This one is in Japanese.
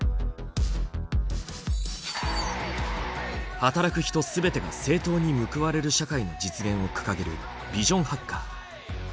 働く人すべてが正当に報われる社会の実現を掲げるビジョンハッカー。